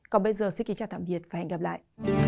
còn bây giờ xin kính chào tạm biệt và hẹn gặp lại